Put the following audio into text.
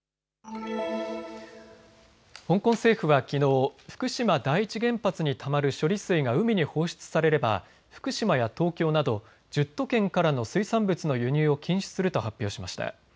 香港政府はきのう福島第一原発にたまる処理水が海に放出されれば福島や東京など１０都県からの水産物の輸入を禁止すると発表しました。